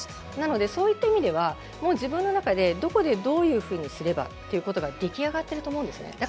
なのでそういった意味では自分の中で、どこでどういうふうにすればということができ上がっていると思うんですね。